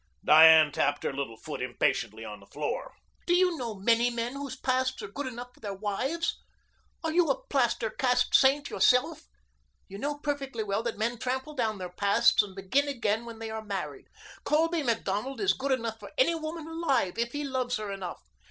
Diane tapped her little foot impatiently on the floor. "Do you know many men whose pasts are good enough for their wives? Are you a plaster cast saint yourself? You know perfectly well that men trample down their pasts and begin again when they are married. Colby Macdonald is good enough for any woman alive if he loves her enough."